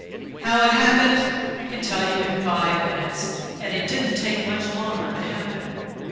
"How it happened? I can tell you in five minutes and it didn't take much longer to happen....